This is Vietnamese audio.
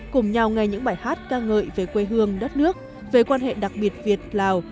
cùng nhau nghe những bài hát ca ngợi về quê hương đất nước về quan hệ đặc biệt việt lào